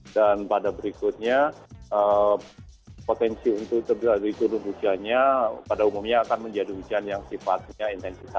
dan pada berikutnya potensi untuk terjadi turun hujannya pada umumnya akan menjadi hujan yang sifatnya intens